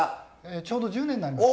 ちょうど１０年になります。